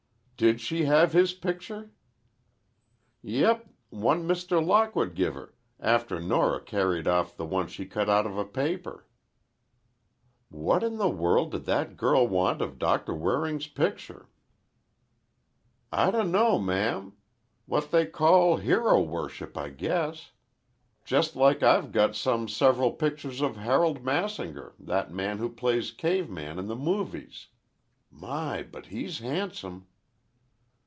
"Did she have his picture?" "Yep, one Mr. Lockwood guv her, after Nora carried off the one she cut out of a paper." "What in the world did that girl want of Doctor Waring's picture?" "I dunno, ma'am. What they call hero worship, I guess. Just like I've got some several pictures of Harold Massinger, that man who plays Caveman in the Movies! My, but he's handsome!"